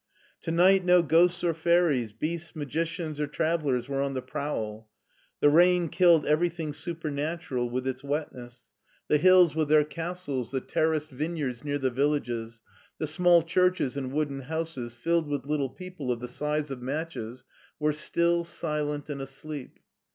'o night no ghosts or fairies, beasts, magicians or travellers were on the prowl. The rain killed rything supernatural with its wetness. The hills SCHWARZWALD ^47 with their castles, the terraced vineyards near the vil lages, the small churches and wooden houses filled with little people of the size of matches, were still, silent, and asleep.